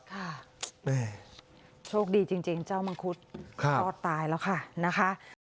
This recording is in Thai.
ค่ะโชคดีจริงจริงเจ้ามังคุดครับรอดตายแล้วค่ะนะคะ